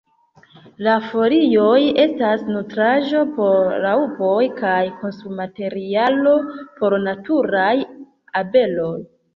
La folioj estas nutraĵo por raŭpoj kaj konstrumaterialo por naturaj abeloj.